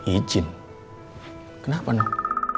izin kenapa neng